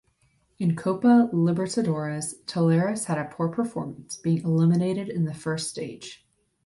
In Copa Libertadores, Talleres had a poor performance, being eliminated in the first stage.